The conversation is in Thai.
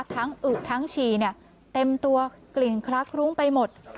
ทั้งอึทั้งฉี่เนี่ยเต็มตัวกลิ่นครักรุ้งไปหมด